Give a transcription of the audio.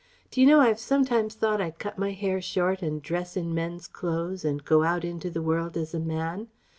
"D'you know, I've sometimes thought I'd cut my hair short and dress in men's clothes, and go out into the world as a man